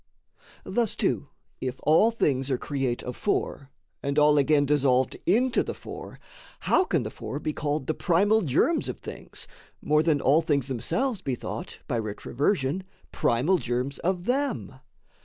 Thus too, if all things are create of four, And all again dissolved into the four, How can the four be called the primal germs Of things, more than all things themselves be thought, By retroversion, primal germs of them?